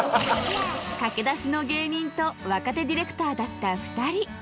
駆け出しの芸人と若手ディレクターだった２人。